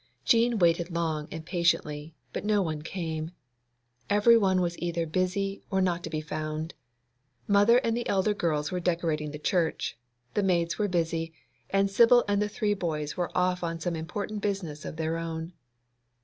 Jean waited long and patiently, but no one came. Every one was either busy or not to be found. Mother and the elder girls were decorating the church, the maids were busy, and Sibyl and the three boys were off on some important business of their own.